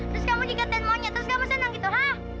terus kamu dikatain monyet terus kamu senang gitu hah